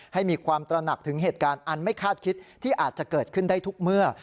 ให้มีความตระหนักถึงเหตุการณ์อันไม่คาดคิดที่อาจจะเกิดขึ้นได้ทุกเมื่อ